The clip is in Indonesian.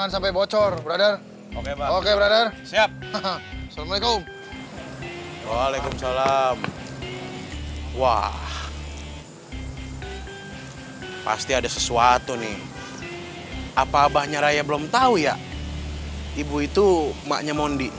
sampai jumpa di video selanjutnya